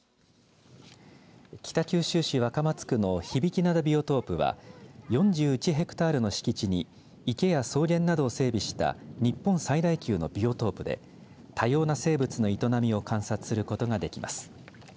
北九州市若松区の響灘ビオトープは４１ヘクタールの敷地に池や草原などを整備した日本最大級のビオトープで多様な生物の営みを観察することができます。